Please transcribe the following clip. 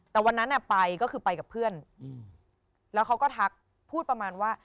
แต่วันนั้นไปก็คือไปกับเพื่อนแล้วเขาก็ทักพูดประมาณว่า